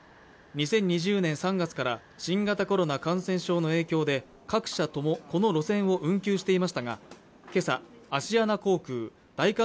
２０２０年３月から新型コロナ感染症の影響で各社ともこの路線を運休していましたがけさアシアナ航空大韓